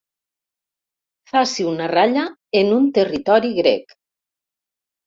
Faci una ratlla en un territori grec.